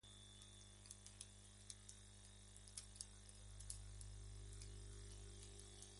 Un año antes de su muerte, existen documentos que dan su residencia en Viena.